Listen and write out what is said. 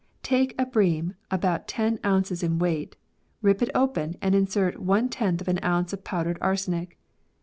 Take a bream about ten ounces in weight, rip it open and insert ^ of an ounce of powdered arsenic.